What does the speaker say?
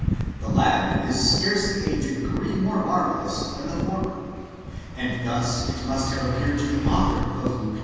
The latter is scarcely a degree more marvellous than the former. And thus must it have appeared to the author of Lukei.